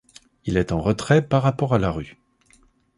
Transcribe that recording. Il est en retrait par rapport à la rue.